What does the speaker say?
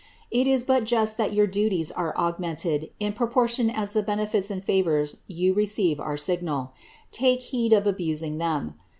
It is but just that your duties are augmented in proportion as the benefits and favours you receive are signal. Take heed of abusing them.